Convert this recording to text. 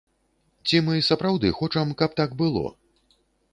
Ці мы сапраўды хочам, каб так было?